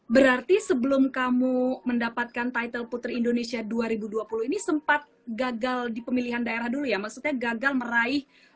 berarti sebelum kamu mendapatkan title putri indonesia dua ribu dua puluh ini sempat gagal di pemilihan daerah dulu ya maksudnya gagal meraih